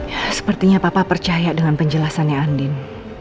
ya sepertinya papa percaya dengan penjelasannya andin